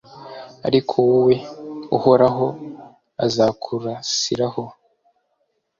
ariko wowe, uhoraho azakurasiraho,